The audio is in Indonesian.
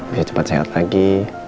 bisa cepat sehat lagi